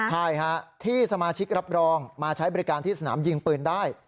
ใช่ฮะที่สมาชิกรับรองมาใช้บริการที่สนามยิงปืนได้